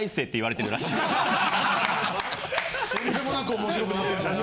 とんでもなく面白くなってんじゃない？